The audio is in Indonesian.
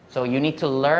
jadi anda harus belajar